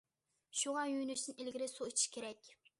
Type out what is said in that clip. شۇڭا يۇيۇنۇشتىن ئىلگىرى سۇ ئىچىش كېرەك.